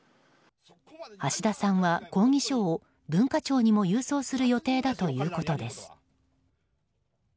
橋田さんは抗議書を文化庁にも郵送する予定だということです。